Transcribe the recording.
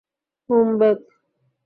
হুম, bake.